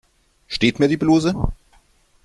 Steht mir die Bluse?